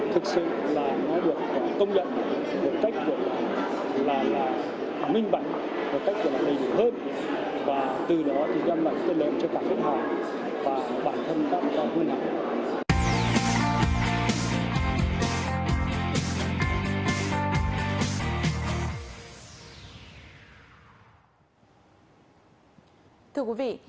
thưa quý vị